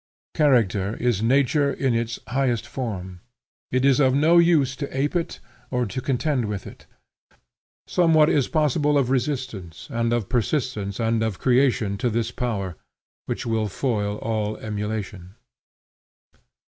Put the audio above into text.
Character is nature in the highest form. It is of no use to ape it or to contend with it. Somewhat is possible of resistance, and of persistence, and of creation, to this power, which will foil all emulation.